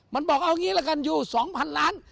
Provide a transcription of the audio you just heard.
มันบอกเอางี้ละกันอยู่๒๐๐๐ล้าน